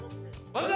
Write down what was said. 万歳！